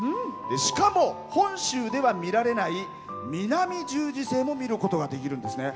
しかも本州では見られない南十字星も見ることができるんですね。